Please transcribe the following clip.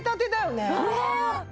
ねえ。